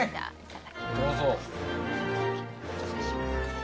どうぞ。